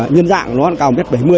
nhân dạng nó cao một m bảy mươi